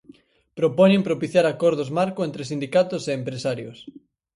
Propoñen propiciar acordos marco entre sindicatos e empresarios.